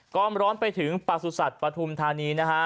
กล้อมร้อนไปถึงปสุศัตริย์ปทุมธานีนะฮะ